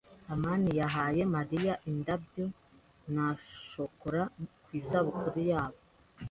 amani yahaye Mariya indabyo na shokora ku isabukuru yabo.